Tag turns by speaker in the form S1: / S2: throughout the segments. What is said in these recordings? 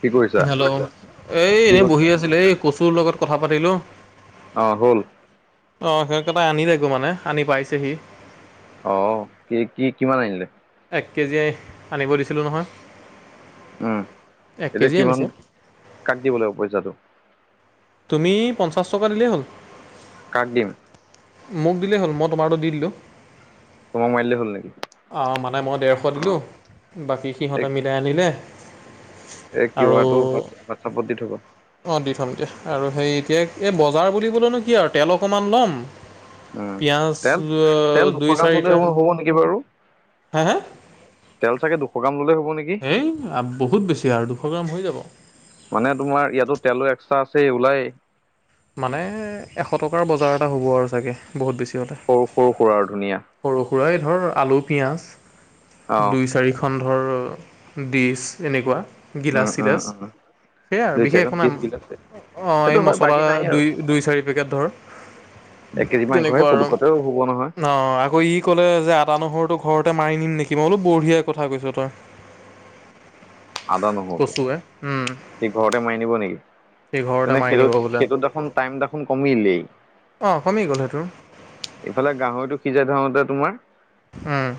S1: কি
S2: hello hello এই এনেই বহি
S1: কৰিছা?
S2: আছিলো এই কচুৰ লগত কথা পাতিলো।
S1: অ হ'ল?
S2: অ সেইকেইটা আনি থাকো মানে, আনি পাইছেহি।
S1: অ কি কি কিমান আনিলে?
S2: এক কেজি আনিব দিছিলোঁ নহয়।
S1: উম
S2: এক
S1: এতিয়া
S2: কেজিয়ে
S1: কিমান,
S2: আনিছে
S1: কাক দিব লাগিব পইচাটো?
S2: তুমি পঞ্চাছ টকা দিলেই হ'ল।
S1: কাক দিম?
S2: মোক দিলেই হ'ল মই তোমাৰতো দি দিলো।
S1: তোমাক মাৰিল হ'ল নেকি?
S2: অ মানে মই ডেৰশ
S1: অ
S2: দিলোঁ, বাকী সিহঁতে মিলাই আনিলে।
S1: এ কিউ আৰটোৱা হোৱাটছআপত দি থবা।
S2: অ দি থম দিয়া। আৰু সেই এতিয়া এই বজাৰ বুলিবলেনো কি আৰু তেল অকমান ল'ম
S1: উম
S2: পিঁয়াজ
S1: তেল তেল
S2: দুই
S1: দুশ গ্ৰাম
S2: চাৰিটা
S1: হ হ'ব নেকি বাৰু।
S2: হে হে
S1: তেল চাগে দুশ গ্ৰাম ল'লে হ'ব নেকি?
S2: এই বহুত বেছি আৰু দুশ গ্ৰাম হৈ যাব।
S1: মানে তোমাৰ ইয়াতো তেলো এক্সট্ৰা আছেই ওলাই।
S2: মানে এশ টকাৰ বজাৰ এটা হ'ব আৰু চাগে বহুত বেছি হ'লে।
S1: সৰু সৰু আৰু ধুনীয়া।
S2: সৰু সুৰাই ধৰ আলু পিয়াজ
S1: অ
S2: দুই চাৰিশ পন্ধৰ ডিছ এনেকুৱা।
S1: উম উম
S2: গিলাচ-চিলাচ
S1: উম
S2: সেয়াই আৰু
S1: দুইছে
S2: বিশেষ
S1: এখন
S2: একো নাই।
S1: বিশ গিলাচ
S2: অ
S1: সেইটো
S2: এই
S1: হয়
S2: মছলা
S1: বাকী নাই আৰু
S2: দুই দুই চাৰি পেকেট ধৰ
S1: এক কেজি মাংসহে
S2: তেনেকুৱা আৰু।
S1: পুটুকতেও হ'ব নহয়
S2: ন আকৌ ই ক'লে যে আদা নহৰুটো ঘৰতে মাৰি নিম নেকি। মই বোলো বঢ়িয়া কথা কৈছো তই।
S1: আদা নহৰুটো,
S2: কচুৱে উম
S1: সি ঘৰতে মাৰি নিব নেকি?
S2: সি ঘৰতে
S1: তেনে
S2: মাৰি
S1: সেইটো
S2: নিব বোলে
S1: সেইটো দেখোন টাইম দেখোন কমিলেই।
S2: অ কমি গ'ল সেইটো।
S1: ইফালে গাহৰিটো সিজাই থোতে তোমাৰ
S2: উম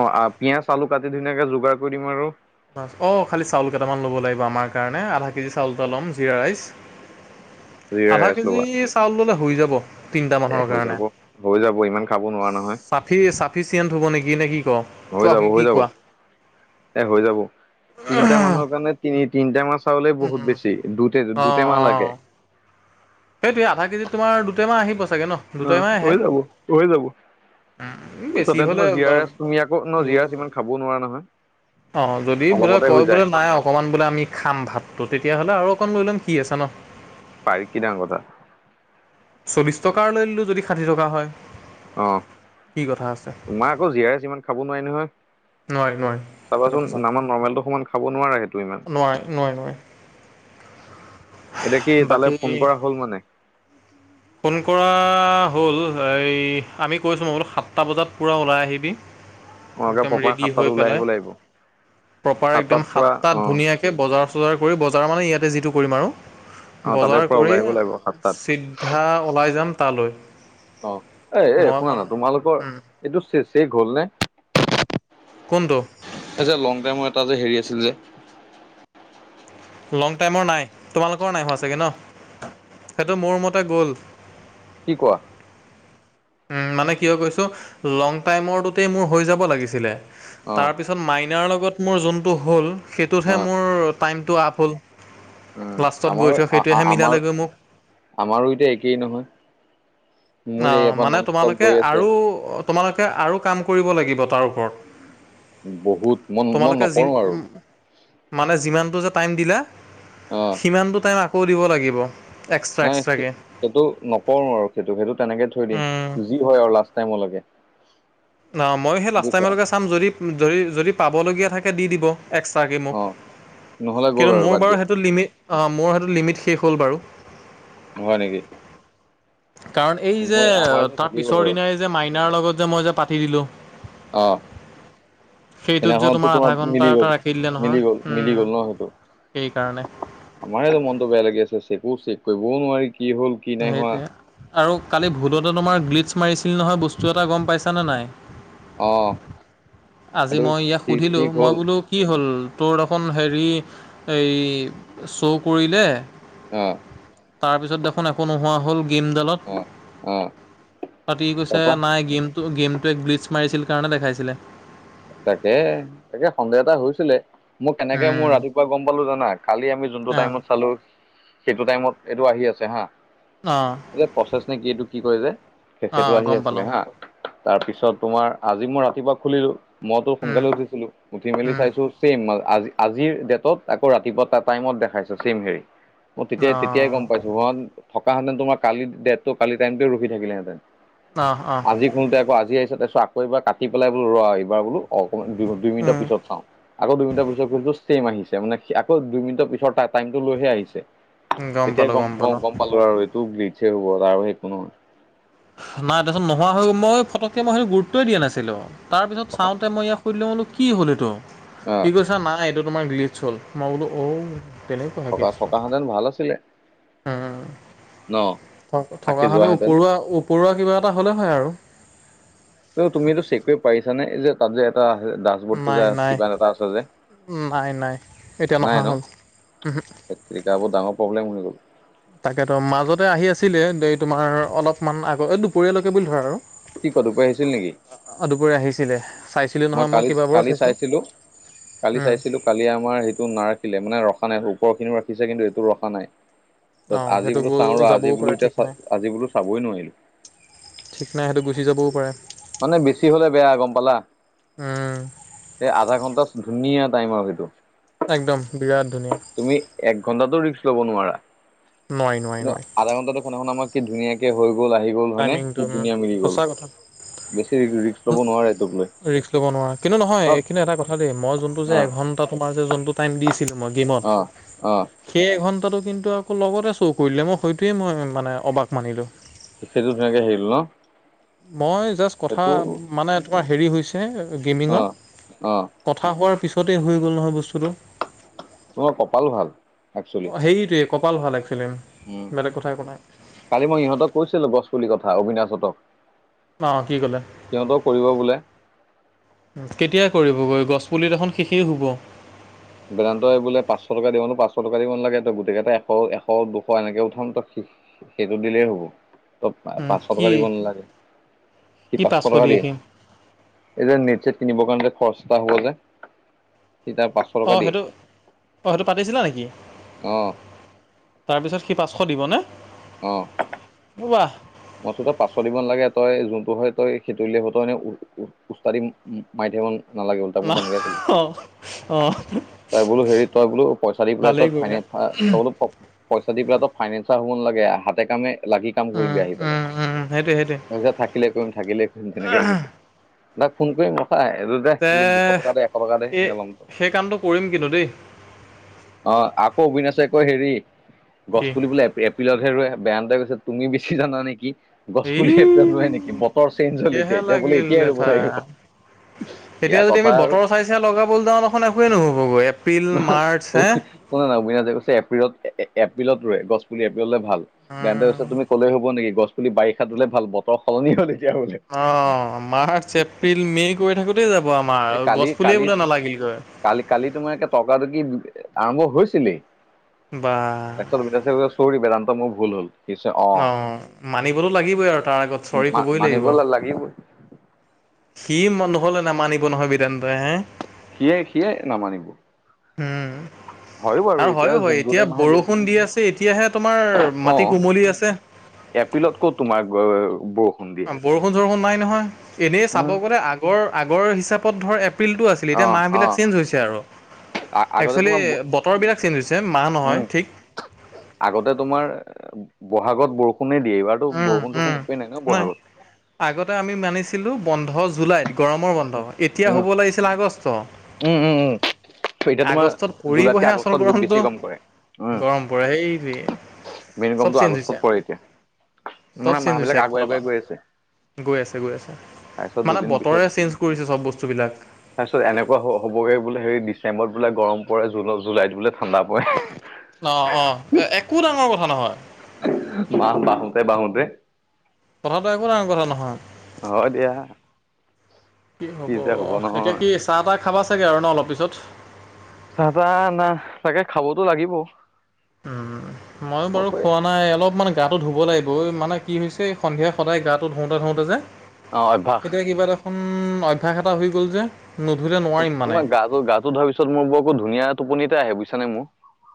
S1: অ পিয়াজ আলু কাটি ধুনীয়াকে যোগাৰ কৰি দিম আৰু
S2: মা অঁ খালি চাউল কেইটামান ল'ব লাগিব আমাৰ কাৰণে আধা কেজি চাউল এটা ল'ম জিৰা ৰাইচ
S1: [inaudible]
S2: আধা
S1: ৰাইচ
S2: কেজি
S1: ল'বা
S2: চাউল ল'লে হৈ যাব তিনিটা
S1: এ
S2: মানুহৰ
S1: হৈ
S2: কাৰণে
S1: যাব হৈ যাব ইমান খাব নোৱাৰা নহয়।
S2: সি চাফিচিয়েণ্ট হ'ব নিকি নে কি ক?
S1: হৈ
S2: কোৱা
S1: যাব
S2: কি
S1: হৈ
S2: কি
S1: যাব
S2: কোৱা
S1: এ হৈ যাব তিনটা মানুহৰ কাৰণে তিনি তিনিটা মাছ চাউলে বহুত বেছি দুটে-দুটেমা লাগে।
S2: সেইটোোৱে আধা কেজিত তোমাৰ দুটেমান আহিবাগৈ ন
S1: অ
S2: দুটামান আহে
S1: হৈ যাব হৈ যাব
S2: উম বেছি
S1: তাতে
S2: হ'লে
S1: তোমাৰ জিয় ৰাচ তুমি আকৌ ন জিয় ৰাচ ইমান খাবও নোৱাৰা নহয়
S2: অ যদি বোলে
S1: অলপতে হৈ
S2: কয় বোলে
S1: যায়
S2: নাই অকণমান বোলে আমি খাম ভাতটো তেতিয়াহ'লে আৰু অকণমান বোলেম কি আছে ন
S1: পাৰ কি ডাঙ কথা
S2: চল্লিছ টকাৰ লৈ লিলোঁ যদি ষাঠি টকা হয়
S1: অ
S2: কি কথা আছে
S1: তোমাৰ আকৌ জীয়াই আছে ইিমান খাব নোৱাৰি নহয়
S2: নোৱাৰি নোৱাৰি সেইটো
S1: চাবাচোন
S2: সঁচা কথা
S1: আমাৰ নৰ্মেলটো সমান খাব নোৱাৰে সেইটো ইমান
S2: নোৱাৰি নোৱাৰি নোৱাৰি
S1: এতিয়া কি তালৈ ফোন
S2: বাকী
S1: কৰা হল মানে
S2: ফোন কৰা হ'ল এই আমি কৈছোঁ মই বোল সাতটা বজাত পূৰা ওলাই আহিবি
S1: অ একে
S2: একম
S1: প্ৰপাৰ
S2: ৰেডি
S1: সাতটাত
S2: হৈ
S1: ওলাই
S2: পেলাই
S1: আহিব লাগিব
S2: প্ৰপাৰ একদম
S1: সাতটাত পৰা
S2: সাতাত
S1: অ
S2: ধুনীয়া তে বজাৰ চজাৰ কৰি বজাৰ মানে ইয়াতে যিটো কৰিম আৰু
S1: অ তাতে
S2: বজাৰ
S1: পৰা
S2: কৰি
S1: ওলাই আহিব লাগিব সাতটাত
S2: হা ওলাই যাম তালৈ
S1: অ এ এ
S2: মই
S1: শুনা
S2: মান
S1: না তোমালোকৰ এইটো চ চেক হ'ল নে
S2: কোনটো
S1: এ যে লং টাইমৰ এটা যে হেৰি আছিল যে
S2: লং টাইমৰ নাই তোমালোকৰ নাই হোৱা চাগৈ ন সেইটো মোৰ মতে গ'ল
S1: কি কোৱা
S2: উম মানে কি হয় কৈছো লং টাইমৰটোতেই মোৰ হৈ যাব লাগিছিলে তাৰ পিছত
S1: অ
S2: তাৰপিছত মাইনাৰ লগত মোৰ যোনটো হ'ল সেইটোতহে
S1: অ
S2: মোৰ টাইমটো আপ হ'ল
S1: উম
S2: লাষ্টত গৈ
S1: আমাৰো
S2: থওঁ সেইটোৱেহে
S1: আমাৰ
S2: মিলালৈ গৈ মোক
S1: আমাৰো এতিয়া একেই নহয় মোৰ
S2: অ
S1: ইয়াৰ পৰা
S2: মানে
S1: নন ষ্টপ
S2: তোমালোকে
S1: গৈ আছে
S2: আৰু তোমালোকে আৰু কাম কৰিব লাগিব তাৰ ওপৰত
S1: বহুত মই মই
S2: তোমালোকে যি
S1: নকৰো আৰু
S2: মানে যিমানটো যে টাইম দিলা
S1: অ
S2: সিমানটো টাইম আকৌ দিব লাগিব এক্সট্ৰা
S1: নাই
S2: এক্সট্ৰাকে
S1: সেইটো নকৰো আৰু সেইটো সেইটো তেনেকে থৈ দিম
S2: উম।
S1: বুজি হয় আৰু লাষ্ট টাইমলৈকে
S2: ন ময়ো সেই লাষ্ট
S1: বুজিছা
S2: টাইমলৈকে চাম যদি যদি যদি পাবলগীয়া থাকে দি দিব এক্ট্ৰাকৈ মোক
S1: অ নহ'লে গ'ল
S2: কিন্তু
S1: আৰু
S2: মোৰ
S1: বাদ
S2: বাৰু
S1: দিয়া
S2: সেইটো লিমিট মোৰ সেইটো লিমিট শেষ হ'ল বাৰু
S1: হয় নেকি
S2: কাৰণ এই যে
S1: মই আমাৰতো
S2: তাৰ
S1: থাকি গ'ল
S2: পিছৰ
S1: আৰু
S2: দিনাই যে মাইনাৰ লগত যে মই যে পাতি দিলোঁ
S1: আহ
S2: সেইটোত যে
S1: সেইদিনাখনতো
S2: আধা
S1: তোমাৰ
S2: ঘণ্টা
S1: মিলি
S2: এটা
S1: গল
S2: ৰাখি দিলে নহয়
S1: মিলি গল
S2: উম
S1: মিলি গল ন সেইটো
S2: সেইকাৰণে
S1: আমাৰ মনতটো বেয়া লাগি আছে চেকো চেক কৰিবও নোৱাৰি কি হল কি নাই হোৱা
S2: সেইটোৱে আৰু কালি ভূটতে তোমাৰ গ্লিটছ মাৰিছিল নহয় বস্তু এটা গম পাইছানে নাই
S1: অ
S2: আজি
S1: সেইটো
S2: মই ইয়াক
S1: ঠিক
S2: সুধিলোঁ
S1: ঠিক
S2: মই
S1: হ'ল
S2: বোলো কি হ'ল তোৰ এখন হেৰি এই শ্ব' কৰিলে
S1: অঁ
S2: তাৰ পিছত দেখোন একো নোহোৱা হ'ল।
S1: অ অ
S2: গেমডালত পাতি কৈছে
S1: তাৰপা
S2: নাই গেম ত' গেমটোয়ে গ্লিটছ মাৰিছিল কাৰণে দেখাইছিলে।
S1: তাকে তাকে সন্দেহ এটা হৈছিলে মোক কেনেকে মোৰ
S2: উম
S1: ৰাতিপুৱা গম পালো জানা কালি আমি যোনটো
S2: অহ
S1: টাইমত চালো সেইটো টাইমত এইটো আহি আছে হা।
S2: অ'।
S1: যে প্ৰচেছ নে কি এইটো কি কৰে যে সেইটো
S2: অহ
S1: আহি
S2: গম
S1: আছিলে
S2: পালোঁ
S1: হা তাৰপিছত তোমাৰ আজি মই ৰাতিপুৱা খুলিলো। মইতো
S2: উম
S1: সোনকালে উঠিছিলো উঠি মেলি
S2: উম
S1: চাইছো চেইম আজি আজিৰ ডেটত আকৌ ৰাতিপুৱা এটা টাইমত দেখাইছো ছেম হেৰি মই তেতিয়াই তেতিয়াই গম পাইছো।
S2: অহ
S1: ধোন থকাহেঁতেন তোমাৰ কালি ডেটো কালি টাইমটোৱে ৰখি থাকিলোহেতেন।
S2: অ', অ'।
S1: [unintelligible] আজি আহিছে তাৰপিছত আকৌ এবাৰ কাটি পেলাই বোলো ৰ' এইবাৰ বোলো অকণ দুই মিনটৰ পিছত চাওঁ। আকৌ দুই মিনটৰ পিছতছো ছেম আহিছে মানে আকৌ দুই মিটৰ পিছত টাইমটো লৈহে আহিছে।
S2: উম গম
S1: তেতিয়াই
S2: পালোঁ
S1: গম
S2: পালোঁ
S1: গম পালো আৰু এইটো গ্লিটচ য়ে হ'ব আৰু একো নহয়।
S2: নাই তাৰপিছত নোহোৱা হৈল মই ফটকৈ মই সেইটো গুৰুত্বই দিয়া নাছিলো তাৰ পিছত
S1: থকা
S2: চাওঁতে মই ইয়াক সুধিলে বোল কি হ'ল এইটো
S1: আহ
S2: সি কৈছে নাই এইটো তোমাৰ গ্লিটছ হ'ল মই বোলো অ' তেনেকুৱা হে
S1: থকা
S2: কেছ টো।
S1: থকাহেঁতেন ভাল আছিলে
S2: উম
S1: ন
S2: থ
S1: থাকি
S2: থকা হ'লে
S1: যোৱাহেঁতেন
S2: ওপৰুৱা ওপৰুৱা কিবা এটা হ'লে হয় আৰু।
S1: ত' তুমি এইটো চেক কৰিব পাৰিছানে যে তাত যে এটা দাঁ [unintelligible] যে
S2: নাই
S1: আছে
S2: নাই
S1: কিবা এটা আছে যে
S2: নাই নাই এতিয়া নহা
S1: নাই ন
S2: হ'ল উহু,
S1: ধেত টেৰিকা বৰ ডাঙৰ প্ৰবলেম হৈ গ'ল।
S2: তাকে তো মাজতে আহি আছিলে দ তোমাৰ অলপমান আগতে এই দুপৰীয়ালৈকে বুলি ধৰা আৰু
S1: কি কোৱা দুপৰীয়া আহিছিল নেকি?
S2: অ' দুপৰীয়া আহিছিলে। চাইছিলোঁ
S1: মই
S2: নহয়
S1: কালি
S2: কেইবাবাৰো
S1: কালি
S2: চাইছোঁ
S1: চাইছিলোঁ, কালি চাইছিলোঁ। কালি আমাৰ সেইটো নাৰাখিলে মানে ৰখা নাই ওপৰ খিনিও ৰাখিছে কিন্তু এইটো ৰখা নাই। ত'
S2: অঁ
S1: আজি
S2: সেইটো
S1: বোলো
S2: গৈ
S1: চাওঁ ৰ আজি
S2: যাবও
S1: বোলো
S2: পাৰে ঠিক
S1: এতিয়া
S2: নাই
S1: আজি বোলো চাবই নোৱাৰিলো।
S2: ঠিক নাই সেইটো গুচি যাবও পাৰে।
S1: মানে বেছি হ'লে বেয়া গম পালা।
S2: উম,
S1: এই আধা ঘণ্টা ধুনীয়া টাইম আৰু সেইটো।
S2: একদম বিৰাট ধুনীয়া
S1: তুমি এক ঘন্টাটো ৰিক্স লব নোৱাৰা
S2: নোৱাৰি নোৱাৰি
S1: কিন্তু
S2: নোৱাৰি
S1: আধা ঘণ্টাটো [unintelligible] আমাৰ কি ধুনীয়াকে হৈ গ'ল আহি গ'ল হয় নে
S2: টাইমিংটো
S1: কি
S2: উম,
S1: ধুনীয়া মিলি গ'ল।
S2: সঁচা কথা।
S1: বেছি ৰিক্স লব নোৱাৰি
S2: ৰিক্স ল'ব নোৱাৰা কিন্তু নহয় এইখিনি এটা কথা দেই মই যোনটো যে
S1: অ',
S2: এঘন্টাত তোমাৰজে যোনটো টাইম দিছিলো মই গেমত
S1: অ'।
S2: সেই এঘন্টাটো কিন্তু আকৌ লগতে চৌ কৰিলে মই সেইটোৱে মই মানে অবাক মানিলো।
S1: সেইটো ধুনীয়াকে আহিল ন'।
S2: মই জাষ্ট কথা
S1: সেইটো
S2: মানে তোমাৰ হেৰি হৈছে
S1: অ',
S2: গেমিঙত
S1: অ',
S2: কথা হোৱাৰ পিছতেই হৈ গ'ল নহয় বস্তুটো।
S1: তোমাৰ কপাল ভাল একচুৱেলি।
S2: অ', হেৰিটোৱে কপাল ভাল একচুৱেলি উম।
S1: উম, কালি মই ইহঁতক কৈছিলো গছ পুলি কথা অবিনাশহঁতক।
S2: অ' কি কলে?
S1: সিহঁতেও কৰিব বোলে।
S2: কেতিয়া কৰিবগৈ গছপুলি দোখোন শেষেই হ'ব।
S1: বেদান্তই বোলে পাঁচশ টকা দিব নো পাঁচশ টকা দিব নালাগে গোটেইকেইটা এশ, এশ, দুশ এনেকে উঠাম ত সেইটো দিলেই হ'ব। ত'
S2: উম,
S1: পাঁচশ টকা দিব
S2: কি
S1: নালাগে সি পাঁচশ টকা দিয়ে। এই যে নেট চেট কিনিবৰ কাৰণে যে খৰচা হব যে সি তাৰ পাছত
S2: অ' সেইটো অ' সেইটো পাতিছিলা নেকি?
S1: অ'।
S2: তাৰপিছত সি পাঁচশ দিবনে?
S1: অ'।
S2: বাঁহ।
S1: মইটো তই পাচল দিব ন লাগে তই যোনটো হয় তই সেইটো হত এনে পোস্তাৰি মাইথেন নালাগে উল্ট
S2: ন
S1: মই তেনেকে কো
S2: অঁ অঁ
S1: তই বোলো হেৰি তই বোলো, পইচা দি পেলাই, তই
S2: ভালেই
S1: ফাইনে
S2: কৰিলা
S1: তই বোলো পইচা দি পেলাই তো ফাইনেন্সাৰ হ'ব নালাগে হাতে কামে লাগি কাম কৰিবি
S2: উম
S1: আহি
S2: উম, উম, সেইটোয়, সেইটোয়ে।
S1: তিছা থাকিলে কৰিম থাকিলে কৰিম তেনেকে কৈছে তাক ফোন কৰিম। চাই এইটো দে
S2: তে
S1: বোলো দুশ টকা, দে এশ টকা দে
S2: এই
S1: এনেকে ল'ম ত
S2: সেই কামটো কৰিম কিন্তু দেই
S1: অ, আকৌ অবিনাশে আকৌ হেৰি গছ
S2: কি
S1: পুলিবোলে এপ্ৰিলতহে ৰোৱে বেয়ানতে কৈছে তুমি বেছি জানা নেকি। গছ
S2: এই
S1: পুলিয়ে পেল হয় নেকি বতৰ চেইঞ্জ হ'ল এতিয়া,
S2: তেতিয়াহে
S1: এতিয়া বোলে
S2: লাগিল
S1: এতিয়াই ৰ'ব
S2: লেঠা
S1: লাগিব।
S2: এতিয়া
S1: ইয়াৰ
S2: যদি
S1: কথা
S2: আমি
S1: আৰু
S2: বতৰ চাই, চাই লগাবলৈ যাওঁখন একোৱে নহ'বগৈ এপ্ৰিল, মাৰ্চ হে
S1: শুনে নাই অবিনা কৈছে এপ্ৰিলত এপ্ৰিলত ৰ গছপুলি এপ্ৰিললে ভাল বে
S2: উম
S1: তুমি কলে হ'ব নেকি গছপুলি বাৰিষাত লে ভাল বতৰ সলনি হ'ল এতিয়া হৈছে।
S2: অ, মাৰ্চ, এপ্ৰিল মে কৰি থাকোতেই যাব
S1: এই
S2: আমাৰ
S1: কালি
S2: গছ পুলিয়ে
S1: কালি
S2: বোলে নালাগিলগৈ।
S1: কালি, কালি তোমাৰে টৰ্কা টকি আৰম্ভ হৈছিলেই
S2: বা
S1: এক ভিত চৌৰি বেদান্ত মোৰ ভুল হ'ল। পিছে অ,
S2: মানিবতো লাগিবই আৰু তাৰ আগত চৰি ক'বই লাগিব।
S1: ম-মানিব লাগিবই।
S2: সি নহ'লে নে মানিব তেন্তে হে
S1: সিয়ে, সিয়ে নামানিব।
S2: উম।
S1: হয় বাৰু
S2: আৰু হয়ো
S1: জুন
S2: হয় এতিয়া
S1: জুলাই মাহে বেষ্ট
S2: বৰষুণ দি আছে, এতিয়াহে তোমাৰ মাটি কোমলি আছে।
S1: এপ্ৰিলতকৈ তোমাৰ বষ
S2: অ, বৰষুণ-চৰষুণ নাই নহয় এনেই চাব
S1: উম,
S2: গলে আগৰ, আগৰ হিচাপত ধৰ এপ্ৰিলতটো আছে। এতিয়া
S1: অ',
S2: মাহবিলাক
S1: অ'।
S2: চেঞ্জ হৈছে আৰু
S1: আগতে
S2: একসোৱেলি
S1: তোমাৰ
S2: বতৰবিলাক চেঞ্জ হৈছে মাহ
S1: উম
S2: নহয় ঠিক
S1: আগতে তোমাৰ বহাগত বৰষুণে দিয়ে এইবাৰ
S2: উম,
S1: বৰষুণো
S2: উম,
S1: কোন একোৱেই নাই ন বহাগত।
S2: আগতে আমি মানিছিলোঁ বন্ধ জুলাইত গৰমৰ বন্ধ
S1: উম,
S2: এতিয়া হ'ব লাগিছিলে আগষ্ট
S1: উম, উম, উম। এতিয়া তোমাৰ
S2: আগষ্টত
S1: জুলাইতে
S2: পৰিবহে আচল
S1: আগষ্টত
S2: গৰমটো।
S1: বেছি কম কৰে
S2: গৰম পৰে সেইটোৱে
S1: উ
S2: চব
S1: মগমটো
S2: চেঞ্জ হৈছে
S1: আগষ্টত পৰে এতিয়া
S2: চব
S1: মানে
S2: চেঞ্জ
S1: মাহ
S2: হৈছে
S1: বিলাক আগুৱাই,
S2: একফালৰ পৰা
S1: আগুৱাই গৈ আছে।
S2: গৈ আছে, গৈ আছে
S1: তাৰপিছত
S2: মানে
S1: দুদিন
S2: বতৰে চেঞ্জ কৰিছে চব বস্তুবিলাক।
S1: তাৰ পিছত এনেকুৱা হবগৈ বোলে হে ডিচে্বৰত বোলে গৰম প জ জুলাইত বোলে ঠাণ্ডা পৰে।
S2: অ', অ', একো ডাঙৰ কথা নহয়।
S1: ম, বাহ তাই বাহোনতে
S2: কথাটো একো ডাঙৰ কথা নহয়।
S1: হ, দিয়া।
S2: কি হ'ব এতিয়া কি চাহ, তাহ খাবা চাগে আৰু ন অলপ পিছত।
S1: চাহ, চাহ না চাগে খাবতো লাগিব।
S2: উম, মইয়ো
S1: মই
S2: বাৰু
S1: কৈ
S2: খোৱা নাই অলপমান গাটো ধুব লাগিব মানে কি হৈছে সন্ধিয়া সদায় গাটো ধুওতে, ধুওতে যে
S1: অ অভ্যাস
S2: এতিয়া কিবা এ, দেখোন অভ্যয়াস এটা হৈ গ'ল যে নধুলে ন।
S1: তোমাৰ গাটো, গাটো ধোৱাৰ পিছত মোৰ বৰকো ধুনীয়া টোপনিতে আহে বুছাে মোৰ।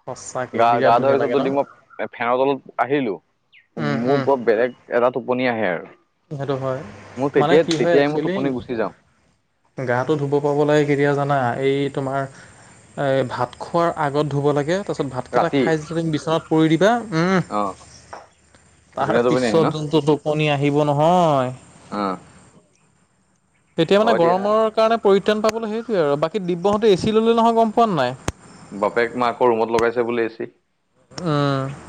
S2: সঁচাকে
S1: গা,
S2: বিৰাট
S1: গা
S2: ধুনীয়া
S1: ধৰিছো
S2: লাগে ন
S1: তদি মই ফেনৰ তলত আহিলো
S2: উম
S1: মোৰ
S2: উম
S1: বপ বেলেগ এটা টোপনি আহে আৰু।
S2: সেইটো হয়
S1: মোৰ
S2: মানে
S1: তেতিয়াই
S2: কি হয়
S1: তেতিয়াই মোৰ
S2: একচুৱেলি
S1: টোপনি গুচি যাওঁ
S2: গাটো ধুব পাব লাগে কেতিয়া জানা এই তোমাৰ এ ভাত খোৱাৰ আগত ধুব লাগে তাৰপিছত ভাতকেইটা
S1: ৰাতি
S2: খাই যতিয়া তুমি বিচনাত পৰি দিবা
S1: অ
S2: তাৰ
S1: ধুনীয়া টোপনি আহে
S2: পিছত
S1: ন
S2: যোনটো টোপনি আহিব নহয়
S1: অ
S2: তেতিয়া মানে
S1: হয় দিয়া
S2: গৰমৰ কাৰণে পৰিত্ৰাণ পাবলৈ সেইটোৱে আৰু বাকী দিব্যহঁতে এ চি ল'লে নহয় গম পোৱা নাই
S1: বাপেক মাকৌ ৰুমত লগাইছে বুলি এছি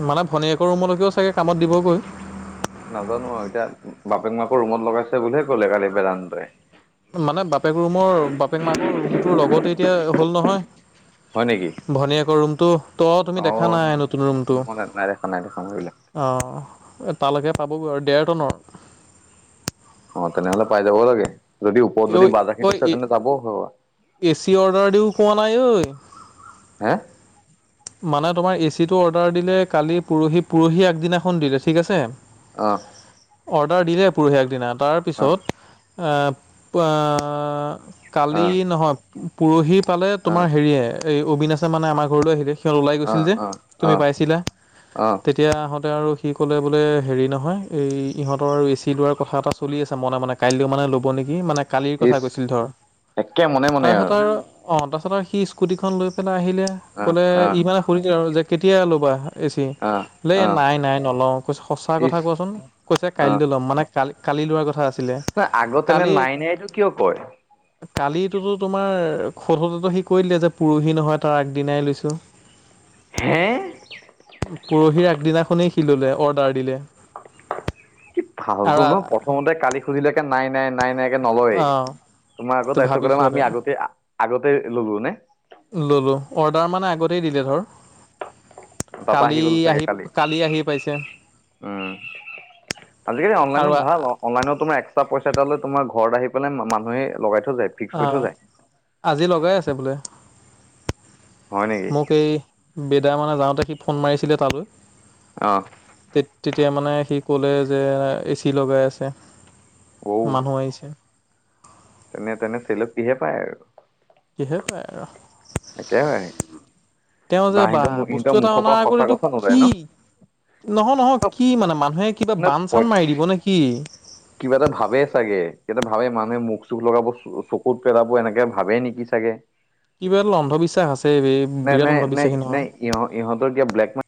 S2: মানে ভনীয়েকৰ ৰুমলৈকেও চাগৈ কামত দিবগৈ
S1: নাজানো এতিয়া বাপেক মাকো ৰুমত লগাইছে বুলিহে কলে কালি বেলানাই
S2: মানে বাপেক ৰুমৰ বাপেক মাকৰ ৰুমটোৰ লগতে এতিয়া হ'ল নহয়
S1: হয় নেকি
S2: ভনীয়েকৰ ৰুমটো ত
S1: অ
S2: তুমি দেখা নাই নতুন ৰুমটো
S1: মই নাই দেখা নাই দেখা মই এইবিলাক
S2: অঁ তালৈকে পাবগৈ আৰু ডেৰ টনৰ
S1: অ তেনেহলে পাই যাবও লাগে যদি ওপৰত
S2: ঐ
S1: যদি বাজাৰখিনি আছে
S2: ঐ
S1: তেন্তে যাবও হয় আৰু
S2: এ চি অৰ্ডাৰ দিও কোৱা নাই ঐ
S1: হা
S2: মানে তোমাৰ এচিটো অৰ্ডাৰ দিলে কালি পৰহি পৰহি আগদিনাখন দিলে ঠিক আছে
S1: অ [unintelligible]
S2: অৰ্ডাৰ দিলে পঢহি আ দিনা
S1: অ
S2: তাৰপিছত এ প
S1: অ অ
S2: কালি নহয় পৰহি পালে তোমাৰ হেৰিয়ে এই অবিনাশে মানে আমাৰ ঘৰলৈ আহিিলে সিহঁত ওলাই গৈছিল যে
S1: অ অ অ
S2: তুমি পাইছিলা
S1: অ
S2: তেতিয়া আহঁতে আৰু সি ক'লে বোলে হেৰি নহয় এই ইহঁতৰ আৰু এ চি লোৱাৰ কথা এটা চলি আছে মনে মনেে কাইলৈ মানে ল'ব নেকি মানে কালিৰ কথা
S1: ইচ
S2: কৈছিল ধৰ
S1: একে মনে মনে
S2: তাৰপিছত আৰু অ তাৰপিছত আৰু সি স্কুটিখন লৈ পেলাই আহিলে
S1: অ
S2: কলে
S1: অ
S2: ইমানে সুৰি আৰু যে কেতিয়া ল'বা এচি
S1: অ
S2: ল
S1: অ
S2: নাই নাই নলওঁ কৈছে সঁচা কথা
S1: ইচ
S2: কোৱাচোন কৈছে
S1: অ
S2: কাইিল ল'ম মানে কালি কালি লোৱাৰ কথা আছিলে
S1: নহ আগতে এনে নাই নাই এইটো কিয় কয়
S2: কালিোতো তোমাৰ সধতেতো সি কৰি দে যে পৰহি নহয় তাৰ আগদিনাই লৈছো
S1: হা
S2: পৰহিৰ আগদিনাখনেই শিললে অৰ্ডাৰ দিলে
S1: কি ভালতো
S2: আৰু
S1: নহ প্ৰথমতে কালি খুজিলেকে নাই নাই নাই নাই তে নলয়েই
S2: অঁ
S1: তোমাৰ আগতাৰিছ কলে
S2: ভাবিছোঁ আৰু
S1: আমি আগতে আগতে লগো নে
S2: ল'লোঁ অৰ্ডাৰ মানে আগতেই দিলে ধৰ
S1: পাপা
S2: কালি
S1: গ'ল চাগে
S2: আহি কালি আহি পাইছে
S1: উম আজিকালি
S2: আৰু
S1: অনলাইনত ভাল অ অনলাইনত তোমাৰ একস্ৰা পইচা এটা লৈ তোমাৰ ঘৰত আহিেলাই মানুহে লগাই থৈ যায় ফিক্স
S2: অ
S1: কৰি থৈ যায়
S2: আজি লগাই আছে বোলে
S1: হয় নেকি
S2: মোক এই বেদা মানে যাওঁতে সি ফোন মাৰিছিলে তালৈ
S1: অ
S2: তে তেতিয়া মানে সি ক'লে যে এ চি লগাই আছে
S1: বৌ
S2: মানুহ আহিছে
S1: তেনে তেনে চেলক কিহে পায় আৰু
S2: সহে পাই আৰু
S1: একাকে হয়
S2: তেওঁ যে বা বস্তু এটা
S1: মুখৰ
S2: অনা
S1: পৰা সঁচা
S2: কৰিতো
S1: কথা নোলায়
S2: কি
S1: ন
S2: নহয় নহয় কি মানে মানুহে কিবা
S1: নে
S2: বান চান মাৰি দিব নেকি
S1: কিবা এটা ভাবে চাগে কিবা এটা ভাবে মানুহে মুখ চুখ লগাব চকুত পেলাব এনেকে ভাবে নেকি চাগে
S2: কিবা এটা অন্ধবিশ্বাস আছে এই বিৰাট অন্ধবিশ্বাসী নহয়
S1: ই ইহঁত